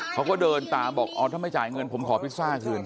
เขาก็เดินตามบอกอ๋อถ้าไม่จ่ายเงินผมขอพิซซ่าคืน